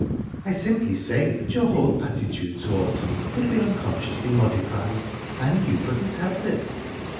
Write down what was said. I simply say that your whole attitude towards me would be unconsciously modified, and you couldn't help it.